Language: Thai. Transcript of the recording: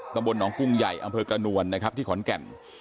ตำบลหนองกุ้งใหญ่อำเภอกระนวลนะครับที่ขอนแก่น